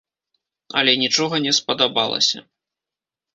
Але нічога не спадабалася.